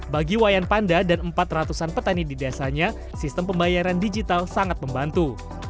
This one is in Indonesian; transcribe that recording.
bagi wayan panda dan empat ratus an petani di desanya sistem pembayaran digital sangat membantu